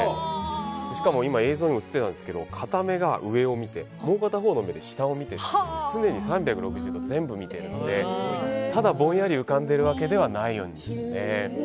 しかも今映像にも映ってたんですけど片目が上を見て、もう片方が下を見てという常に３６０度全部見ているのでただ、ぼんやり浮かんでいるわけではないんです。